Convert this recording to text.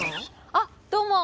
あどうも。